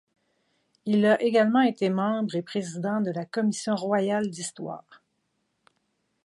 Il a également été membre et président de la Commission Royale d'Histoire.